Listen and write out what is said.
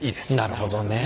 なるほどね。